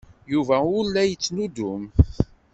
Yuba ur la yettnuddum.